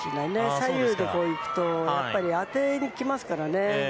左右でいくと、やっぱり当てにきますからね。